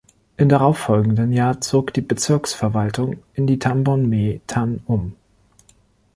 Im darauf folgenden Jahr zog die Bezirksverwaltung in die Tambon Mae Tan um.